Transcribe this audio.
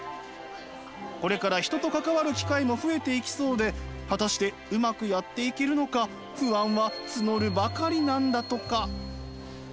これから人と関わる機会も増えていきそうで果たしてうまくやっていけるのか不安は募るばかりなんだとか。